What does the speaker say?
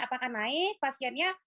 apakah naik pasiennya